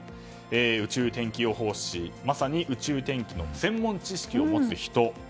宇宙天気予報士、まさに宇宙天気の専門知識を持つ人。